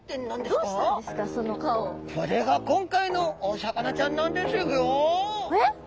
これが今回のお魚ちゃんなんですギョ！